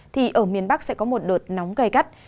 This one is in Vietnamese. thì ở miền bắc sẽ có một đợt nóng gây gắt